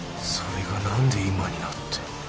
それが何で今になって。